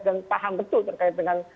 dan paham betul terkait dengan